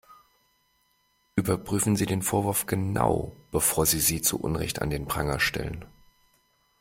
Überprüfen Sie den Vorwurf genau, bevor Sie sie zu Unrecht an den Pranger stellen.